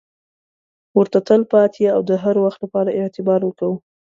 ورته تل پاتې او د هروخت لپاره اعتبار ورکوو.